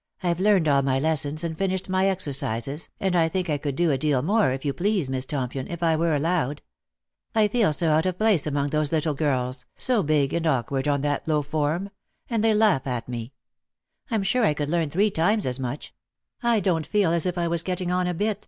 " I've learned all my lessons, and finished my exercises, and I think I could do a good deal more, if you please, Miss Tompion, if I were allowed. I feel so out of place among those little girls — so big and awkward on that low form — and they laugh at me. I'm sure I could learn three times as much — I don't feel as if I was getting on a bit."